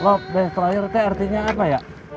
love destroyer itu artinya apa ya